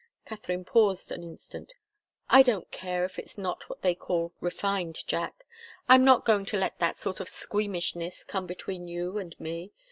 Katharine paused an instant. "I don't care if it's not what they call refined, Jack. I'm not going to let that sort of squeamishness come between you and me.